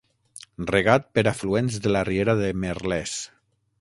Regat per afluents de la riera de Merlès.